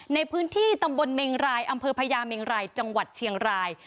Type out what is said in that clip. ในพื้นที่ตำบลเมงรายอำเภอพญาเมงรายจังหวัดเชียงราย